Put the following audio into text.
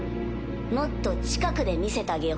もっと近くで見せたげよっか。